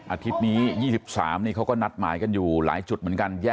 อาทิตย์นี้๒๓นี่เขาก็นัดหมายกันอยู่หลายจุดเหมือนกัน